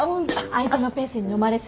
相手のペースにのまれすぎ。